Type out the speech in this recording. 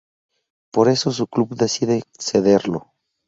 Por eso su club decide cederlo.